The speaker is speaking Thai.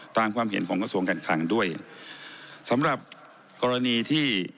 ความเห็นของกระทรวงการคลังด้วยสำหรับกรณีที่